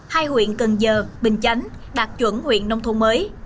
hai huyện cần giờ bình chánh đạt chuẩn huyện nông thôn mới